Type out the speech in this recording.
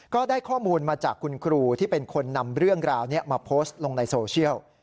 ก็ได้ข้อมูลมาจากคุณครูที่เป็นคนนำเรื่องราวนี้มาโพสต์ลงในโซเชียล